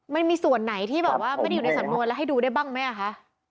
มันมีส่วนไหนที่แบบว่าไม่ได้อยู่ในสำนวนแล้วให้ดูได้บ้างไหมคะ